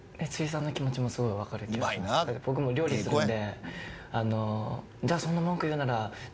僕も料理するんで。